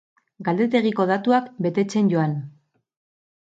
Galdetegiko datuak betetzen joan.